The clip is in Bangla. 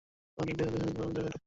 পাহাড়ের ঢেউ দেখার দারুণ জায়গা এটি।